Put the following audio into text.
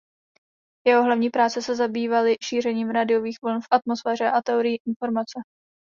Jeho další práce se zabývaly šířením radiových vln v atmosféře a teorií informace.